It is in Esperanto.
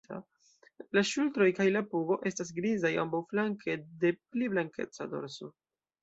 La ŝultroj kaj la pugo estas grizaj ambaŭflanke de pli blankeca dorso.